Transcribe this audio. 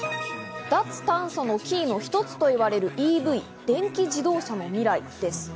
脱炭素のキーの一つといわれるＥＶ電気自動車の未来です。